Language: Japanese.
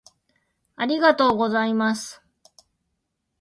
「ありがとうございます」